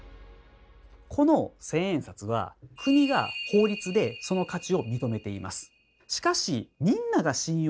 この千円札は国が法律でその価値を認めています。